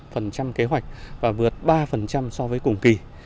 phần kế hoạch và vượt ba so với cùng kỳ